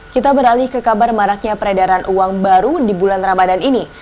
kita beralih ke kabar maraknya peredaran uang baru di bulan ramadan ini